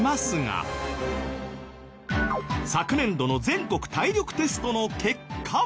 昨年度の全国体力テストの結果は。